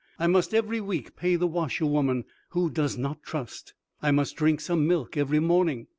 I must every week pay the washerwoman, who does not trust. I must drink some milk every morning.